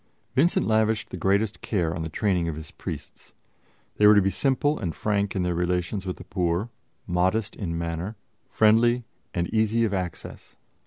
Vincent lavished the greatest care on the training of his priests. They were to be simple and frank in their relations with the poor, modest in manner, friendly and easy of access.